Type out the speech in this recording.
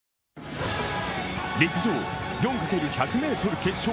陸上、４×１００ｍリレー決勝。